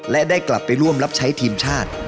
และได้กลับไปร่วมรับใช้ทีมชาติ